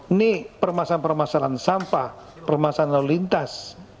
ini permasalahan permasalahan sampah permasalahan lalu lintas